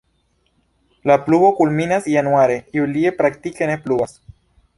La pluvo kulminas januare, julie praktike ne pluvas.